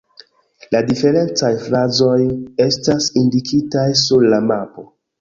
La diferencaj fazoj estas indikitaj sur la mapo.